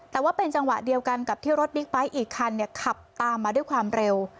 แต่ว่าเป็นจังหวะเดียวกันกับที่รถบิ๊กไบท์อีกคันขับตามมาด้วยความเร็ว